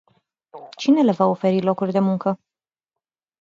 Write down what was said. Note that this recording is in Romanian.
Cine le va oferi locuri de muncă?